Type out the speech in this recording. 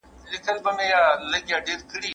ځيني ډلي په ټولنه کي څنډي ته سوې.